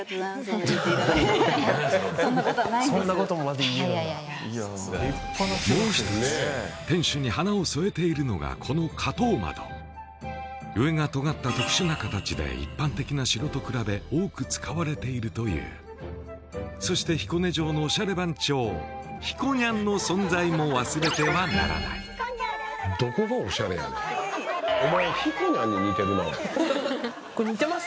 そんな言っていただいてそんなことはないんですいやいやいやもう一つ天守に花を添えているのがこの上がとがった特殊な形で一般的な城と比べ多く使われているというそして彦根城のオシャレ番長ひこにゃんの存在も忘れてはならないどこがオシャレやねん似てます？